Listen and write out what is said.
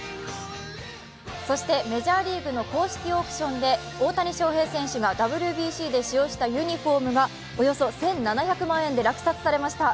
そしてメジャーリーグの公式オークションで大谷翔平選手がＷＢＣで使用したユニフォームがおよそ１７００万円で落札されました。